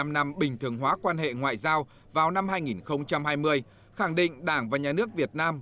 bảy mươi năm năm bình thường hóa quan hệ ngoại giao vào năm hai nghìn hai mươi khẳng định đảng và nhà nước việt nam